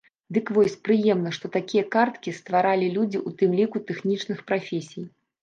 Дык вось, прыемна, што такія карткі стваралі людзі ў тым ліку тэхнічных прафесій.